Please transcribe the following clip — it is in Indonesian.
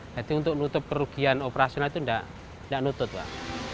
jadi untuk menutup kerugian operasional itu tidak nutup pak